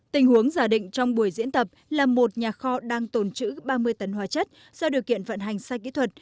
tình huống giả định trong buổi diễn tập là một nhà kho đang tồn trữ ba mươi tấn hóa chất do điều kiện vận hành sai kỹ thuật